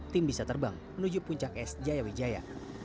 tim bisa terbang menuju puncak es jaya wijaya